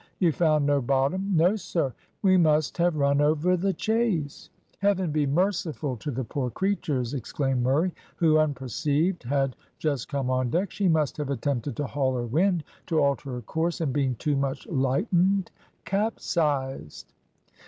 "You found no bottom?" "No, sir." "We must have run over the chase! Heaven be merciful to the poor creatures!" exclaimed Murray, who unperceived had just come on deck. "She must have attempted to haul her wind, to alter her course, and, being too much lightened, capsized."